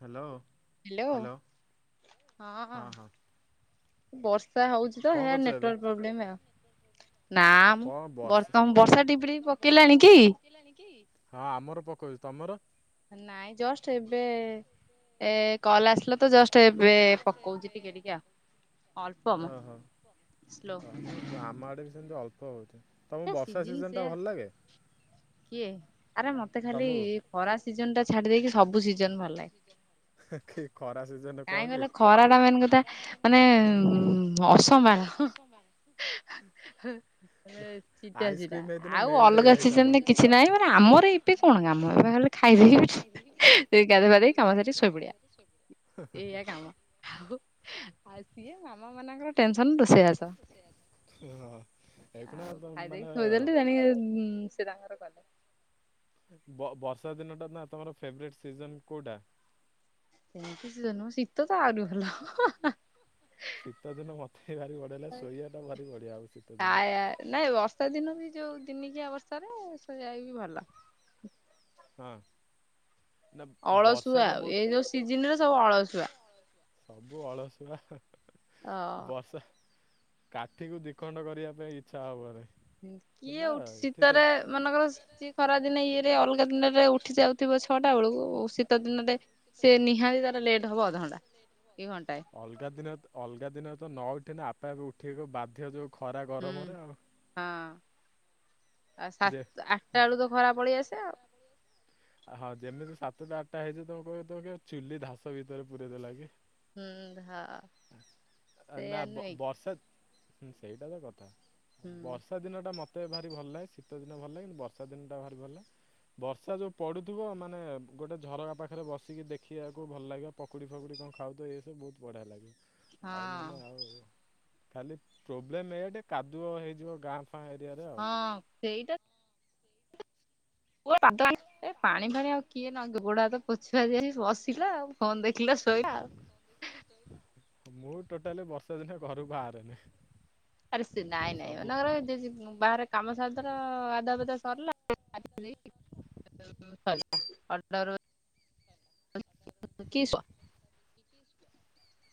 Hello hello ହଁ ହଁ ବର୍ଷା ହଉଛି ତ କଣ ହେ କରୁଛ ଏବେ ନେଟୱାର୍କ ପ୍ରୋବ୍ଲେମ ଆ ନା ଆଉ ମ କଣ ବ ବସ ତମ ବର୍ଷା ଟିପିଟିପି ପକେଇଲାଣି କି? ହଁ ଆମର ପକଉଛି ତମର? ନାଇଁ ଜଷ୍ଟ ଏବେ ଏ କଲ୍ ଆସିଲା ତ ଜଷ୍ଟ ଏବେ ପକଉଛି ଟିକେ ଟିକେ ଆଉ ଅଳ୍ପ ମ ଓହୋ ସ୍ଲୋ ହ ନା ଆମ ଆଡ଼େ ବି ସେମିତି ଅଳ୍ପ ହଉଚି। ତମକୁ ଏ ବର୍ଷା ସିଜିନ ସିଜନଟା ସେୟା ଭଲ ଲାଗେ? କିଏ ଆରେ ମ ସେ ଖାଲି ତମକୁ ଖରା ସିଜନଟା ଛାଡି ଦେଇକି ସବୁ ସିଜନ ଭଲ ଲାଗେ କି ଖରା ସିଜନରେ କଣ କାହିଁ କି? ଗଲା ଖରାଟା ମାନେ ତା କଥା ମାନେ ଅସମ୍ଭାଳ ହଁ ହିଁ। ହେଁ ଚିଟା ଚିଟା ଆଇସ୍କ୍ରିମ୍ ହେଇଦିନ ଆଉ ମେଲ୍ଟ ଅଲଗା ସିଜନରେ କିଛି ନାହିଁ ମାନେ ଆମର ଏବେ କଣ ଆମର କାମ ଏବେ କଣ ଖାଲି କାମ [unintelligible] କଲେ ଖାଇଦେଇକି ଖାଇଦେଇ ସେ ଗାଧୋଇ ପାଧେଇ କାମ ଗାଧେଇ ସାରି ପଧେଇ କାମ ଶୋଇପଡିବା ସାରିକି ସୋଇ ପଡିବ। ଏଇଆ କାମ ଆଉ ସିଏ ମାମା ମାନଙ୍କର ଟେନସନ୍ ରୁ ହଁ ହଁ ଏଖୁଣା ଦେଇକି ଥୋଇ ଡେଲି ତେଣିକି ସିଏ ତାଙ୍କର କଲେ। ବ-ବର୍ଷା ଦିନ ଟା ନା ତମର ଫେବରଟ ସିଜନ କୋଉଟା? ଶୀତ ତ ଆରି ଭଲ ହାଁ ହଁ ଶୀତଦିନ ମତେ ବି ଭାରି ବଢିଆ ଲାଗେ ଶୋଇବା ଟା ଭାରି ବଢିଆ ଆଉ ଶୀତ ଦିନ। [unintelligible] ନାଇବ ଶୀତ ଦିନ ବି ଯଉଁ ଦିନିକିଆ ଅବସ୍ଥାରେ ଶୋଇବା ବି ଭଲ। ହଁ। ନା ଅଳସୁଆ ବର୍ଷାଟା ବହୁତ ଏଇ ଯୋଉ ସିଜିନରେ ସବୁ ଅଳସୁଆ। ଅଳସୁଆ। ସବୁ ଅଳସୁଆ ହାଁ ଅ ହାଁ ବର୍ଷା। କାଠିକୁ ଦିଖଣ୍ଡ କରିବା ପାଇଁ ଇଚ୍ଛା ହବନି। କିଏ ନା ଉଠି ଏଠି ସେ ଶୀତରେ ମନେକର ସିଏ ଖରାଦିନେ ଇଏ ଅଲଗା ଦିନରେ ଉଠି ଯାଉଥିବ ଛଅଟା ବେଳକୁ ଶୀତ ଦିନରେ ସେ ନିହାତି ତାର ଲେଟ୍ ହବ ଅଧଘଣ୍ଟା। କି ଘଣ୍ଟାଏ ଅଲଗା ଦିନ ତ ଅଲଗା ଦିନ ତ ନ ଉଠେନ ଆପେ ଆପେ ଉଠେଇକୁ ବାଧ୍ୟ ଯୋଉ ଖରା ହୁଁ ଗରମରେ ଆଉ। ହଁ ଆ ସାତ ଯେ ଆଠଟା ବେଳୁ ତ ଖରା ପଳେଇ ଆସେ ଆଉ। ହଁ ଯେମିତି ସାତଟା ଆଠଟା ହେଇଛି ତମ କହ [unintelligible] ଚୁଲି ଘାସ ଭିତରେ ପୁରଇ ଦେଲା କି? ହୁଁ ଧ ନା ସେଇଆ ନୁହେଁ କି? ବ-ବର୍ଷା ହୁଁ ସେଇଟା ତ କଥା ଆଉ ହୁଁ। ବର୍ଷା ଦିନ ଟା ମତେ ଭାରି ଭଲ ଲାଗେ ଶୀ ଶିତ ଦିନ ଭଲ ଲାଗେନି ବର୍ଷା ଦିନଟା ଭାରି ଭଲ। ବର୍ଷା ଯଉଁ ପଡ଼ୁଥିବ ମାନେ ଗୋଟେ ଝରକା ପାଖରେ ବସିକି ଦେଖିବାକୁ ଭଲ ଲାଗିବ। ପକୁଡ଼ି ଫକୁଡ଼ି କଣ ଖାଉ ତ ଏସବୁ ବହୁତ ବଢ଼ିଆ ଲାଗେ। ଆଉ ନ ହଁ ନଲେ ଆଉ ଖାଲି ପ୍ରୋବ୍ଲେମ ଏୟା ଟେ କାଦୁଅ ହେଇଯିବ ଗାଁ ଫାଁ ଏରିଆରେ ଆଉ ହଁ ସେଇଟା [unintelligible] ଏ ପାଣି ଫାଣି ଆଉ କିଏ ନଇଁବ ଗୋଡ ହାତ ପୋଛୁଆଜି ଆ ବସିଲା ଆଉ। ଫୋନ ଦେଖିଲା ଶୋଇଲା ଆଉ। [unintelligible] ମୁଁ ଟୋଟାଲି ବର୍ଷା ଦିନେ ଘରୁ ବାହାରେନି। ଆରେ ସେ ନାଇଁ ନାଇଁ ସବୁ କାମ [unintelligible] ବାହାର କାମ ସାରି ଦେଲ ଆଧା ପାଧା ସରିଲା [unintelligible] [unintelligible] କି ସୁ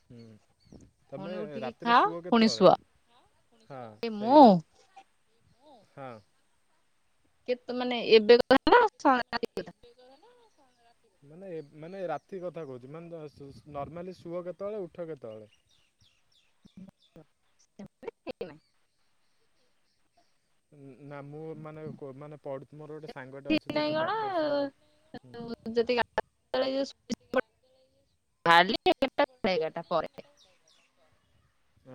ହୁଁ। ତମେ ପୁଣି ଉଠିକି ରାତିରେ ଖାଅ ଶୁଅ ପୁଣି କେତେବେଳେ ଶୁଅ ହଁ ଏ ମୁଁ ସେଇବା। ହଁ। କେତେ ମାନେ ଏବେ କଥା [unintelligible] ନା କଥା ଏବେକାର ନା [unintelligible] ମାନେ ମାନେ ରାତି କଥା କହୁଛି ଶୁ-ଶୁ ମାନେ ନର୍ମାଲି ଶୁଅ କେତେବେଳେ ଉଠ କେତେବେଳେ? [unintelligible] ନା ମୁଁ ମାନେ କୋ ମାନେ ପଢ଼ୁ ମୋର ଗୋଟେ ସାଙ୍ଗଟେ ଅଛି ତ ନାଇଁ ସେ କଣ ଡକ୍ଟର ସାଙ୍ଗତେ ହୁଁ। [unintelligible] ଖାଲି କେଟଗଟା ପରେ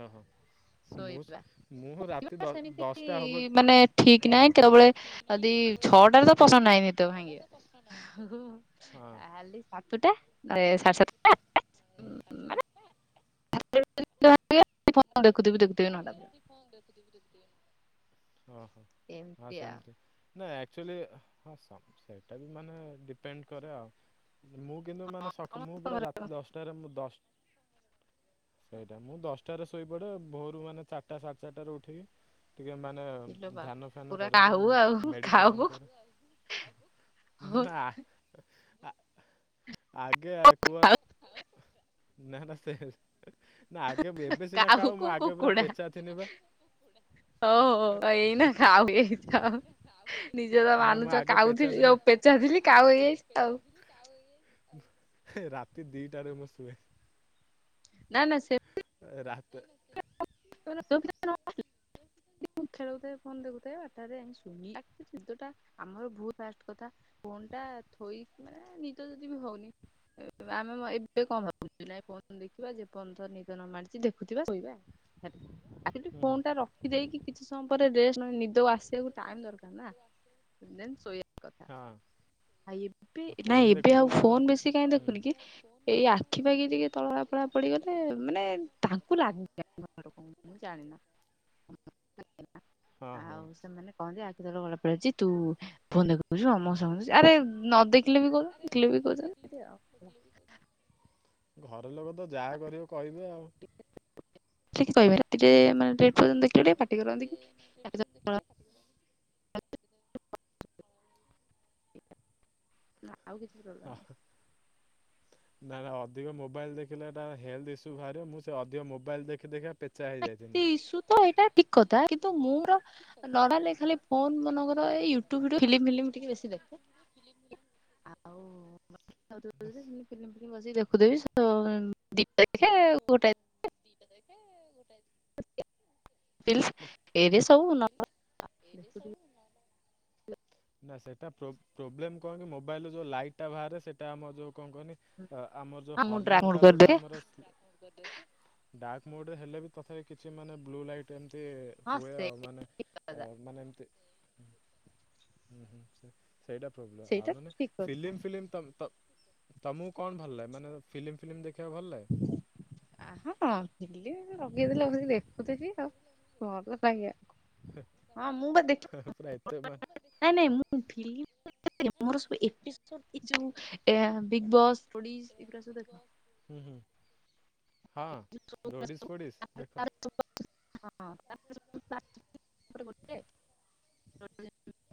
ଓହୋ। ମୁଁ ଶୋଇବା ମୁଁ ରାତି ଶୋଇବା ଦଶ ସେମିତି ଦଶଟା ହେବ ମାନେ ଠିକ ନାହିଁ କେତେବେଳେ ଅହଁ। ଯଦି ଛଅଟାରେ ତ ପସନ୍ଦ ନାହିଁନି ତ ଭାଙ୍ଗିବାରେ। ହଁ। ତାହେଲେ ସାତଟା ନହେଲେ ସାଢ ସାତ। ନହେଲେ ସାଢ଼େ ସାତ [unintelligible] ଫୋନ ଦେଖୁଥିବି ଦେଖୁଥିବି ନଟା ପଯ୍ୟନ୍ତ। ଓହୋ ହଁ ଏମିତି ଆଉ ସେମତି। ନା ଆକ୍ଚୁଆଲି ହଁ ସେଇଟା ବି ମାନେ ଡିପେଣ୍ଡ କରେ ଆଉ। ମୁଁ କିନ୍ତୁ ମାନେ ସକ ମୁଁ ପୁରା ସମସ୍ତଙ୍କର ରାତି ଦଶଟାରେ ମୁଁ ଦଶ ସେଇଟା ମୁଁ ଦଶଟାରେ ଶୋଇପଡ଼େ ଭୋରୁ ମାନେ ଚାରିଟା ସାଢ଼େ ଚାରିଟାରେ ଉଠିକି ଟିକେ ମାନେ ଇଲୋ ବା ଧ୍ୟାନ ଫ୍ୟାନ ପୁରା କରେ କାହୁ ଆଉ ଟିକେ ମେଡ଼ିଟେସନ୍ କାହୁ କରେ। ନା ନା। ଆ- ଆଗେ କୁହନ୍ ନା ନା ସେ ନା ଆଗେ ଏବେ ସିନା କାଉ କାହୁକୁ ମୁଁ ଆଗେ ପୁରା ପେଚା ଥିଲି ବା। ହଉ ଏଇନା ଖାଉ ଏଇ ଖାଉ ନିଜେ ତ ନା ମୁଁ ମାନୁଛ ଆଗେ ପେଚା କାଉଥିଲି ଥିନି। ଯଉ ପେଚା ଥିଲି କାଉ ହେଇଯାଇଛି ଆଉ। ରାତି ଦିଟାରେ ମୁଁ ଶୁଏ। ନା ନା ସେ ରାତ [inaudible] [unintelligible] ଖେଳଉଥାଏ ଫୋନ ଦେଖୁଥାଏ, ବାରଟା ରେ ଯାଇଁ ସୁଏ [unintelligible] ଆମର ଭୁଲ ଫାଷ୍ଟ କଥା। ଫୋନ୍ ଟା ଥୋଇକି ମାନେ ନିିଦ ଯଦି ବି ହଉନି। ଆମେ ଏବେ କଣ ଭାବୁଛୁ ନାଇ ଫୋନ ଦେଖିବା ଯେପର୍ଯ୍ୟନ୍ତ ନିଦ ନ ମାଡିଛି ଦେଖୁଥିବା ଶୋଇବା ଆଉ। ଆକଚୁଆଲି ଫୋନ୍ ଟା ରଖିଦେଇକି କିଛି ସମୟ ପରେ ରେ ନିଦ ଆସେ ଟାଇମ ଦରକାର ନା ଦେନ୍ ଶୋଇବା ହଁ କଥା। ଆଉ ଆଉ ଏବେ ନାଇଁ ଫୋନ୍ ଏବେ ଆଉ ଦେଖୁଥିଲା ବେଳେ ଫୋନ ବେଶୀ କାହିଁ ଦେଖୁନି କି ଏଇ ଆଖି ଫାଖି ଟିକେ ତଳ କଳା ଫଳା ପଡିଗଲେ ମାନେ ତାଙ୍କୁ ଲାଗେ [inaudible] ମୁଁ ଜାଣେନା। ହଁ ହଁ ଆଉ ସେମାନେ କହନ୍ତି ଆଖି ତଳ କଳା ପଡି ଯାଇଛି ତୁ ଫୋନ ଦେଖୁଚୁ ଅମକ ସମକ, ଆରେ ନ ଦେଖ ଦେଖିଲେ ବି କହୁଛନ୍ତି, ଦେଖିଲେ ବି କହୁଚନ୍ତି ଏମତି ଆଉ। ଘର ଲୋକ ତ ଯାହା କରିବ କହିବେ ଆଉ। ସେ କିଛି କହିବେନି, [unintelligible] ଦେଖନ୍ତି ପାଟି କରନ୍ତି କି ଦେଖୁଛନ୍ତି ଟିକେ ପାଟି କରନ୍ତି। ନା ଆଉ କିଛି ପ୍ରୋବ୍ଲେମ ହ ହ୍। ନା ଅଧିକ ମୋବାଇଲ ଦେଖିଲା ଟା ହେଲ୍ଥ ଇସ୍ୟୁ ବାହାରେ ମୁଁ ସେ ଅଧିକ ମୋବାଇଲ ଦେଖି ଦେଖିକା ପେ ଇସୁ ତ ଏଇଟା ଠିକ କଥା କିନ୍ତୁ ମୁଁ ତ ନଡଲେ ଖାଲି ଫୋନ ମନେକର ୟୁ ଟ୍ୟୁବ୍ ଫିଲ୍ମ ବିଲମ ବେଶି ଦେଖେ। ଆଉ [inaudible] ଫିଲ୍ମ ଫିଲ୍ମ ବସିକି ଦେଖୁଥିବି ସ ଦେଖୁଥିବି ତ ଦିଟା ଯାକେ ଗୋଟେ ଯାକେ [inaudible] ଏରେ ସବୁ ନ୍ ଦେଖୁଥିବି। ନା ସେଇଟା ପ୍ରୋବ-ପ୍ରୋବ୍ଲେମ୍ କଣକି ମୋବାଇଲରେ ଯୋଉ ଲାଇଟ୍ଟା ବାହାରେ ସେଟା ଆମର ଯଉ କଣ କହନି ଆ ଆମର ଯୋଉ ହଁ ମୁଁ ଡ୍ରାମୋଡ ହର୍ମୋନ୍ଟା ଯୋଉଟା କରିଦିଏ ଆମର ଡାର୍କ ମୋଡ୍ ରେ ହେଲେ ବି ତଥାପି କିଛି ବ୍ଲୁ ଲାଇଟ ଏମତି ହଁ ହୁଏ ଆଉ ସେଇ ମାନେ କଥା ମାନେ ଏମିତି ହୁଁ ହୁଁ ସେ ସେଇଟା ପ୍ରୋବ୍ଲେମ୍ ସେଇଟା ଆଉ ନହେଲେ ଠିକ କଥା। ଫିଲ୍ମ ଫିଲ୍ମ୍ ତମ ତ୍ ତମକୁ କଣ ଭଲ ଲାଗେ, ମାନେ ଫିଲ୍ମ ଫିଲ୍ମ ଦେଖିବାକୁ ଭଲ ଲାଗେ? [unintelligible] ଆହ କଣ୍ ଫିଲ୍ମ ଲଗେଇଦେଲେ ବସିକି ଦେଖୁଥିବି ଆଉ ଭଲ ପାଇବା କଣ। ହଁ ମୁଁ ବା ଦେଖି ପୁରା ଏତେ ମାନେ [inaudible] ନାଇଁ ନାଇଁ ମୁଁ ଫିଲ୍ ତ ଦେଖେ ମୋର ସବୁ ଏପିସୋଡ ଏ ଯୋଉ ଏଆ ବିଗ୍ ବସ୍। ରୋଡିଜ ଏଗୁରା ସବୁ ଦେଖି। ହୁଁ ହୁଁ ହଁ ରୋ଼ଡିସ ଫୋଡ଼ିସ ଦେଖ। ହଁ ତାପରେ ସବୁ। [unintelligible] [unintelligible]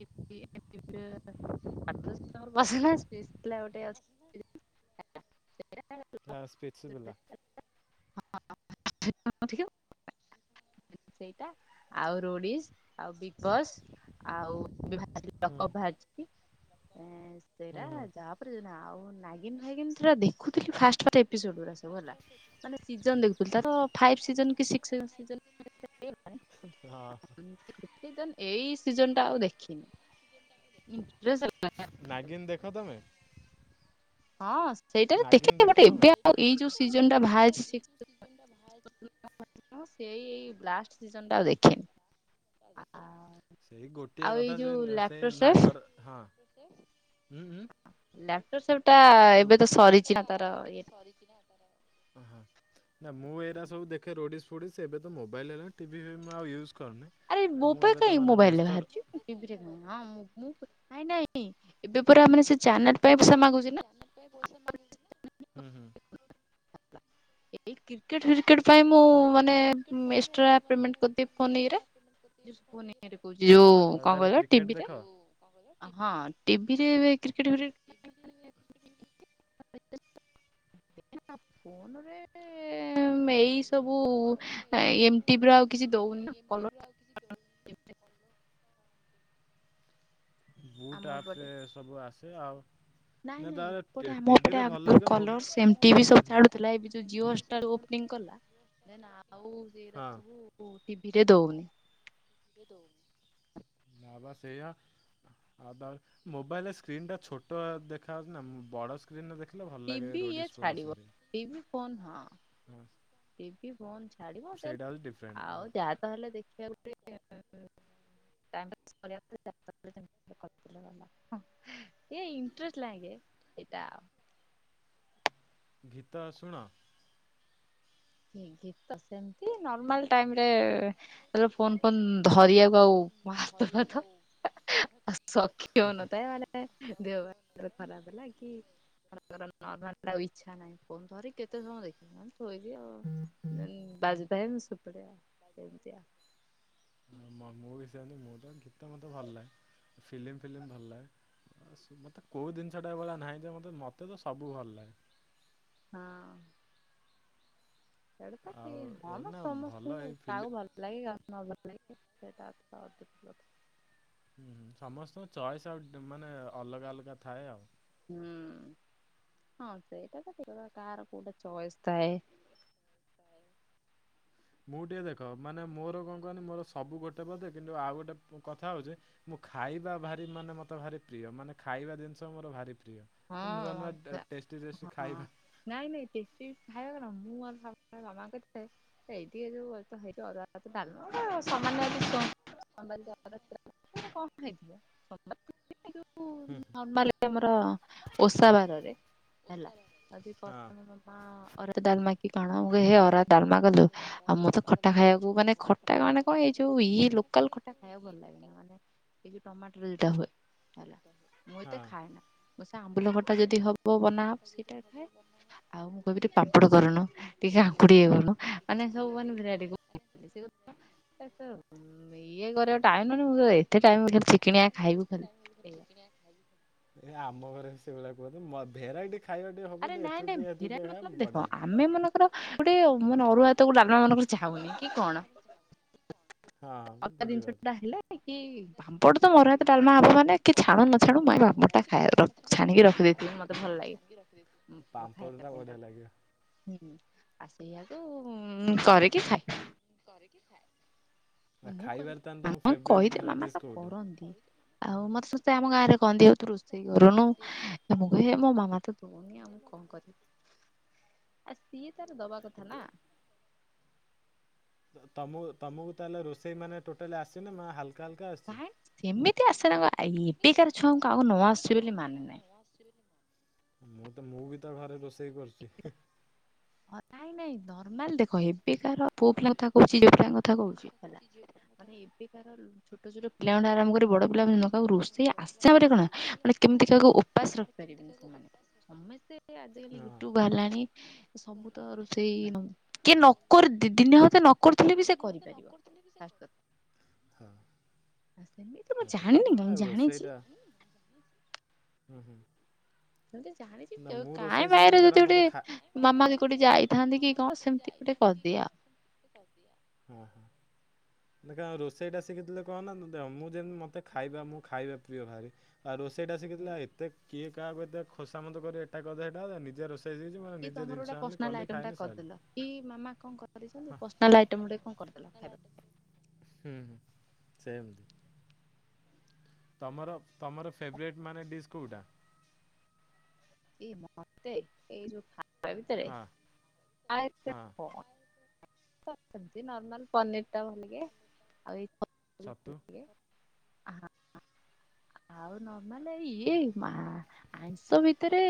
[unintelligible] [unintelligible] ଝାସ ସ୍ପିଛି ବୁଲା। [unintelligible] ସେଇଟା ଆଉ ରୋଡିସ୍‌, ଆଉ ବିଗ ବସ୍। ଆଉ ହୁଁ [unintelligible] ଏଁ ହୁଁ ସେଇରା ହୁଁ ଜା। ପରୀଜିନା ଆଉ ନାଗିନ୍ ଫାଗିନ୍ ସେରା ଦେଖୁଥିଲି ଫାଷ୍ଟ। ଫାଷ୍ଟ ଏପିସୋଡ୍‌ ଗୁରା ସବୁ ହେଲା ମାନେ ସିଜନ ଦେଖୁଥିଲି ତାର ଫାଇବି ସିଜନ କି ସିକ୍ସ ସିଜ ସିଜନ୍‌। ହଁ [unintelligible] ଏଇ ସିଜନ ଟା ଆଉ ଦେଖିନି। [unintelligible] ଇନଟ୍ରେସ ହେଲା। ନାଗିନ୍‌ ଦେଖ ତମେ? ହଁ ସେଇଟା ରେ ଦେଖେ ନାଗିନ୍ ବଟ ଦେଖ ତମେ? ଏବେ ଆଉ ଏଇ ଯୋଉ ସିଜନ ଟା ବାହାରିଛି ସେ ସିଜନ୍। [unintelligible] ସେଇ ଏଇ ଲାଷ୍ଟ ସିଜନ ଟା ଆଉ ଦେଖେନି। ସେଇ ଗୋଟିଏ ଆଉ ଏଇ କଥା ସେ ଯୋଉ ସେଇ ଲାପଟପ୍ ସେଫ୍ ନାଗର। ହଁ ଉଁ ଉଁ। ଲ୍ୟାପଟର ସୋ ଟା ଏବେ ତ ସରିଛି ନା ତାର ଇଏ। ଓ ହଁ। ନା ମୁଁ ଏରା ସବୁ ଦେଖେ ରୋଡ଼ିସ ଫୋଡ଼ିସ୍ ଏବେ ତ ମୋବାଇଲ୍ ହେଲା ଟିଭି ଫିବି ମୁଁ ଆଉ ୟୁଜ୍ କରୁନି ‌। ଆରେ ମୋ ପାଖରେ କାଇଁ ମୋବାଇଲ ରେ ବାହାରୁଛି ଟିଭିରେ କାଇଁ ହଁ ମୁଁ ମୁଁ। ନାଇଁ ନାଇଁ ଏବେ ପୁରା ମାନେ ସେ ଚାନେଲ। ସେ ପୁରା ମାନେ ସେ ଚ୍ୟାନେଲ ପାଇଁ ପଇସା ମାଗୁଛି ନାଁ। ଏଇ କ୍ରିକେଟ ଫ୍ରିକେଟ। ସେଥି ପାଇଁ ମୁଁ ହୁଁ ମାନେ ଉଁ ଏକ୍ସଟ୍ରା ପେମେଣ୍ଟ କରିଦିଏ ଫୋନ ଇଏରେ ଯୋଉ ଫୋନ‌ ଇ ଏ। କହୁଛି ଯୋଉ କଣ ତାହେଲେ କହିଲ କ୍ରିକେଟ ଟିଭିରେ ଦେଖ? ହଁ ଟିଭିରେ ଏ କ୍ରିକେଟ ଫ୍ରିକେଟ। ଟିଭି ରେ ଉ ଏ କ୍ରିକେଟ ଫ୍ରିକେଟ। [unintelligible] ଫୋନ ରେ ଏଇସ ସବୁ ଏମିତି ପରା ଆଉ କିଛି ଦଉନି ନା କଲ। ନୁଆ ଆଉ କିଛି ଦଉନି। ବୁଟ୍ ଆମ ଆପସ ରେ ଏପଟେ। ସବୁ ଆସେ ଆଉ। ନାଇଁ ନା ନାଇଁ ତାର ଏପଟେ ଆମ ଟିଭିରେ ଭଲ ଏପଟେ ଲାଗେ ମୋ କଲର୍ ଏମ ଟିଭି ହୁଁ ସବୁ ହୁଁ। ଛାଡୁଥିଲା ଏ ଯୋଉ ଜିଓ ଷ୍ଟାର ଓ। ଓପନିଙ୍ଗ କଲା ଦେନ ଆଉ ସେଇ ଗୁରା ହଁ ସବୁ ଟିଭିରେ ଦଉନି। ନା ବା ସେଇଆ। ଆଉ ବା ଉ ମୋବାଇଲ ରେ ସ୍କ୍ରିନ୍ ଟା ଛୋଟ ଦେଖାହଉଛି ନା ବଡ ସ ସ୍କ୍ରିନ୍ ରୁ ଦେଖିଲେ ଭଲ ଲାଗେ ଟିଭି ଇଏ ରୋଡ଼ିସ୍ ଛାଡିବ ଫୋଡ଼ିଶ ଟିଭି ଫୋନ ହଁ ଘରିକା ହଁ। ଟିଭି ଫୋନ୍‌ ଛାଡିବ ସେଇଟା ଜେନ ହେଉଛି ଡିଫରେଣ୍ଟ ଆଉ ଯାହା। ତାହେଲେ ଦେଖିବା ଗୋଟେ [unintelligible] ସେଟା କରିଦେଲେ ଗଲା ଏଇଆ ଇନଟ୍ରେଷ୍ଟ ଲାଗେ ସେଇଟା। ଗୀତ ଶୁଣ। ଗୀତ ସେମତି ନର୍ମାଲ ଟାଇମରେ। ଯୋଉ ଫୋନ୍ ଫୋନ୍ ଧରିଆକୁ ଆଉ ମୋ ହାତ ଫାଥ। ସଖି ହଉ ନଥାଏ ମାନେ ଦେହ ପା କେତେବେଳେ ଖରାପ ହେଲା କି। ଧର ନର୍ମାଲି ଆଉ ଇଛା ନାହିଁ ଫୋନ ଧରି କେତେ ସମୟ ଦେଖିବୁ ମୁଁ ଏମତୀ ଥୋଇଦିଏ ଆଉ। ବାଜ ପାଇନି ଉପରେ ଏମିତିଆ। ମୁଁ ବି ସେମିତି ମୁଁ ତ ଗୀତ ମତେ ଭଲ ଲା ଫିଲ୍ମ ଫ୍ଲିମି ଭଲ ଲଗେ। ଆ ସ୍ ମତେ କୋଉ ଜିନିଷଟା ଏଭଳିଆ ନାହିଁ ଯେ ମତେ ମତେ ତ ସବୁ ଭଲ ଲାଗେ। ହଁ। ସେଇଟା ତ କି ଆଉ ଏଇନା ଭଲ ଏଇ ଫିଲ ଲାଗି ଆ ନ ଲାଗ ସେଟା [unintelligible] ହୁଁ ହୁଁ ସମସ୍ତଙ୍କ ଚଏସ୍ ଆଉ ମାନେ ଅଲଗା ଅଲଗା ଥାଏ ଆଉ। ହୁଁ ହଁ ସେଇଟା ଟିକ୍ କଥା କାହାର କୋଉଟା ଚଏସ୍ ଥାଏ। ମୁଁ ଟିକେ ଦେଖ ମାନେ ମୋର କଣ କହନି ମୋର ସବୁ ଗୋଟେ ପଟେ କିନ୍ତୁ ଆଉ ଗୋଟେ କଥା ହଉଛି ମୁଁ ଖାଇବା ଭାରି ମାନେ ମତେ ଭାରି ପ୍ରିୟ ମାନେ ଖାଇବା ଜିନିଷ ମୋର ଭାରି ପ୍ରିୟ। ନୂଆ ନୂଆ ହଁ ଟେଷ୍ଟି ଟେଷ୍ଟି ଖାଇବା। ନାଇଁ ନାଇଁ ଟେଷ୍ଟି ଖାଇବା କଣ ମୁଁ [unintelligible] ଆର ମାମା କରିଥାଏ। ଏଇ ଟିକେ ଯୋଉ ହେଇ ଅରୁଆ ତ ଡାଲ ସମାନ [unintelligible] କଣ ଖାଇଥିବେ [unintelligible] ଯମା ଆମର ଓଷା ବାରରେ ହେଲା ଯଦି ହଁ ପ୍ରଥମେ ମା ଅରୂଆ ଡାଲମା କଣ ମୁଗ ହେ ଅରୂଆ ଭାତ ଡଲମା କଲୁ ଆଉ ମୁଁ ତ ଖଟା ଖାଇବାକୁ ମାନେ ଖଟା ମାନେ କ ଏଇ ଯୋଉ ଇଏ ଲୋକାଲ ଖଟା ଏଟା ଖାଇବାକୁ ଭଲଲାଗେ ନା ମାନେ ଏ ଯୋଉ ଟମାଟୋ ରେ ଯଉଟା ହୁଏ। ମୁଁ ହଁ ଏଟା ଖଏନା। ମୁଁ ସେ ଆମ୍ବୁଲଖଟା ଯଦି ହବ ବନାହବ ସେଇଟା ଖାଏ ଆଉ ମୁଁ କହିବି ଟିକେ ପାମ୍ପଡ କରୁନୁ ଟିକେ ଆଙ୍କୁ ଟିକେ କରୁନୁ ମାନେ ସବୁ ମାନେ ଭେରାଇଟି ଇଏ କରିବା ଟାଇନନ ମୁଁରେ [unintelligible] ତୋରେ ଟାଇମ୍ ମିଳ ଏତେ ଟାଇମ୍ ମିଳିଲେ ଏ ଚିକିଣିଆ ଖାଇବୁ। ଏ ଆମ ଘରେ ସେଇଭଳିଆ କୁହନ୍ତି ମୋ ଭେରାଇଟି ଖାଇବା ଟିକେ ହବ ଆରେ ନାଇଁ ଏଥରୁ ନାଇଁ ଟିକେ ହେ ଥରୁ ଭେରାଇଟି ଟିକେ ଖାଇବା ବଢିଆ ଦେଖ ଲାଗେ। ଆମେ ମନେକର ଗୋଟେ ମାନେ ଅରୁଆ ଭାତ କୁ ଡାଲମା ମନେକର ଯାଉନି କି କଣ? ହଁ ହଁ ମୁଁ ଅଧା ଜିନିଅ ବୁଝିପାରୁଛି ଟା ହେଲେ କି ପାମ୍ପଡ ତ ଆରୁଆ ଭାତ ଡାଲମା ହବ ମାନେ କି ପଟେ ତ ଛାଣୁ ମୋର ନ ଅରୁଆ ଭାତ ଛାଣୁ ମୁଁ ଡାଲମା ଆଗେ ହବ ମାନେ ପାମ୍ପଡଟା କି ଛାଣା ଖାଇବା ନ ଛାଣିକି ରଖିଦେଇଥିବି ଛାଣା ମତେ ଭଲ [inaudible] ଲାଗେ ଛାଣିକି ରଖିଦେଇଥିବ ପାମ୍ପଡ ଖାଇବା ଟା ପାଇଁ ବଢ଼ିଆ ତାକୁ ଲଗେ। ହୁଁ ଆଉ ସେଇଆକୁ କରିକି ଖଇବା। କରିକି ଖାଇବ। ମୁଁ କରିକି ଖାଇବାରେ ତାନେ ତମ ମାମା କହିଦିଏ ଫେବ୍ରାଇଟି ମାମା ତ ଡିଶି କୋଉଟା? କରନ୍ତି। ଆଉ ମୋତେ ସମସ୍ତେ ଆମ ଗାଁ ରେ କହନ୍ତି ରୋଷେଇ କରୁନୁ ମୁଁ କହେ ମୋ ମାମା ତ ଦଉନି ମୁଁ ଆଉ କଣ କରିବି? ସିଏ ତାର ଦବା କଥା ନା। ତ- ତ ତମକୁ ତମକୁ ତା ହେଲେ ରୋଷେଇ ମାନେ ଟୋଟାଲି ଆସେନା ମା ହାଲ ବାହେ ସେମିତି ଆସେନା ଏବେକାର ଛୁଆଙ୍କୁ କହାକୁ ନ ଆସୁଛି ବୋଲି ମାନେ ନାହିଁ। ନ ଆସୁଛି ବୋଲେ ମୁଁ ତ ମୁଁ ବି ତ ଘରେ ରୋଷେଇ କରୁଛି। ହ ନାଇଁ ନାଇଁ ନର୍ମାଲ ଦେଖ ଏବେ କାର ପୁଅ ପିଲାଙ୍କ କଥା କହୁଛି ଝିଅ ପିଲାଙ୍କ କଥା କହୁଛି ହେଲା ମାନେ ଏବେ କାର ଛୋଟ ଛୋଟ ପିଲାମାନଙ୍କୁ ଆରମ୍ଭ କରି ବଡ ପିଲା ମିନ କାହାକୁ ରୋଷେଇ ଆସେ ମାନେ କଣ ମାନେ କେମିତି କାହାକୁ ଉପାସ ରଖିପାରିବେନି ସେମାନେ ସମସ୍ତେ ଆଜିକାଲି ହଁ ୟୁଟ୍ୟୁବ ବାହାରିଲାଣି ସବୁ ତ ରୋଷେଇ କିଏ ନ କର ଦି ଦିନି ହଉ ନକରୁଥିଲେ ବି ସେ କରିପାରିବ। ହଁ ସେମିତି ମୁଁ ହଁ ସେଟା ତ ଜାଣିନି ଆଉ ନାହିଁ ଜାଣିଚି। ରୋଷେଇଟା ହୁଁ ହୁଁ। ଯଦି ଜାଣିଛି ନା ମୁଁ କାଏଁ ରୋଷେଇ ଶିଖିଲି ବାଇରେ ଯଦି କାରଣ ଗୋଟେ ମୋତେ ଖା ମାମା କୋଉଠି ଯାଇଥାନ୍ତି କି କଣ ସେମିତି ଗୋଟେ ପଦିଆ ପଦୀ ହଁା ହଁା। ହେଲେ କାଓ ରୋଷେଇଟା ଶିଖିଥିଲେ କହନା ଦେଖ ମୁଁ ଯେମିତି ଖାଇବା ମୁଁ ଖାଇବା ପ୍ରିୟ ଭାରି। ଆଉ ରୋଷେଇ ଟା ଆଉ। ଶିଖିଥିଲା ଏତେ କିଏ କାହାକୁ ଏତେ ଖୋସା ମତ କରି ଏଟା କରିଦେ ହେଟା କରିଦେ ନିଜେ ରୋଷେ ନିଜେ ଜିନିଷ ଆଣିଲି କଲି ଖାଇନି ସଇଲା। କିଇ ମାମା କଣ କରିଛନ୍ତି ହଁ ପର୍ସନାଲ ଆଇଟମ ଗୁଟେ କଣ କରିଦେଲା ଖାଇବା। ହୁଁ ହୁଁ ସେମତି। ତମର ତମର ଫେବରେଟ୍ ମାନେ ଡିସ୍ କେଉଁଟା? କି ମଟେ ଏଇ ଯୋଉ ଖାଇବା ଭିତରେ ହଁ ହଁ ସବଜି ନର୍ମାଲ ପନିର ଟା ଭଲକି ଆଉ ଏ ଛତୁ ଆଉ ନର୍ମାଲି ଇଏ ମା ଆଇଁଷ ଭିତରେ